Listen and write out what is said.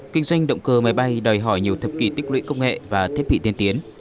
kinh doanh động cơ máy bay đòi hỏi nhiều thập kỷ tích lũy công nghệ và thiết bị tiên tiến